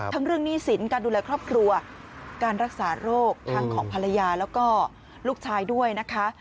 เรื่องหนี้สินการดูแลครอบครัวการรักษาโรคทั้งของภรรยาแล้วก็ลูกชายด้วยนะคะ